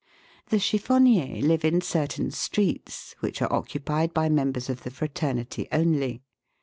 The chiffonniers live in certain streets, which are occu pied by members of the fraternity only.